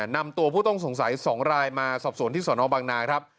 นำตัวผู้ต้องสงสัย๒รายมาสอบสวนที่สนบังนาครับ